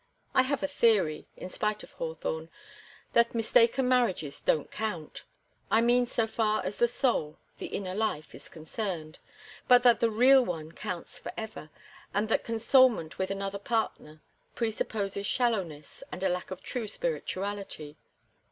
I have a theory, in spite of Hawthorne, that mistaken marriages don't count—I mean so far as the soul, the inner life, is concerned,—but that the real one counts forever, and that consolement with another partner presupposes shallowness and a lack of true spirituality.